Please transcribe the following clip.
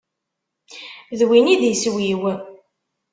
D win i d iswi-w.